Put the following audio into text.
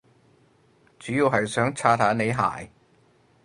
主要係想刷下你鞋